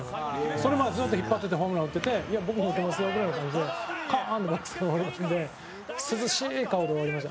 それまで、ずっと引っ張っててホームラン打ってていや、僕も打てますよぐらいの感じでカーン！ってバックスクリーンに放り込んで涼しい顔で終わりました。